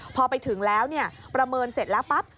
พอไปถึงแล้วประเมินเสร็จแล้วปั๊บ